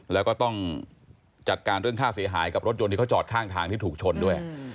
แล้วก็ต้องจัดการเรื่องค่าเสียหายกับรถยนต์ที่เขาจอดข้างทางที่ถูกชนด้วย